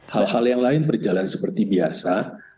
hal hal yang lain berjalan seperti biasa